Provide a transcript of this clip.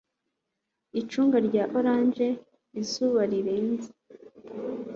Icunga rya orange izuba rirenze